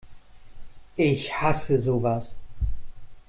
Ich hasse sowas!